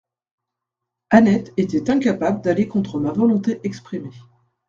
Annette était incapable d'aller contre ma volonté exprimée.